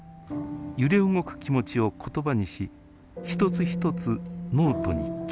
揺れ動く気持ちを言葉にし一つ一つノートに刻みました。